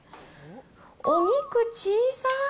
お肉小さい。